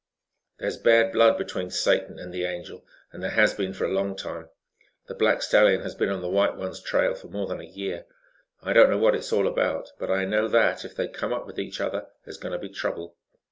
"There's bad blood between Satan and the Angel and there has been for a long time. The black stallion has been on the white one's trail for more than a year. I don't know what it's all about, but I know that, if they come up with each other, there is going to be trouble.